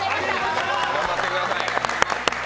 頑張ってください。